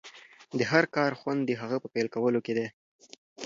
د هر کار خوند د هغه په پيل کولو کې دی.